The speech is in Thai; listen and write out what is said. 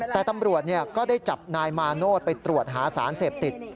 แต่ตำรวจก็ได้จับนายมาโนธไปตรวจหาสารเสพติด